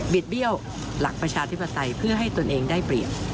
ดเบี้ยวหลักประชาธิปไตยเพื่อให้ตนเองได้เปรียบ